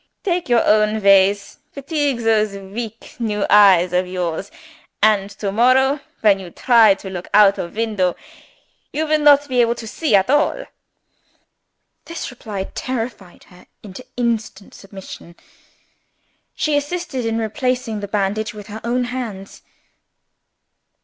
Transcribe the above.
"Take your own ways; fatigue those weak new eyes of yours and to morrow, when you try to look out of window, you will not be able to see at all." This reply terrified her into instant submission. She assisted in replacing the bandage with her own hands.